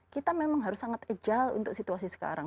kita memang harus sangat agile untuk situasi sekarang